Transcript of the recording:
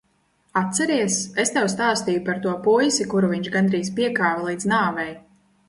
Atceries, es tev stāstīju par to puisi, kuru viņš gandrīz piekāva līdz nāvei?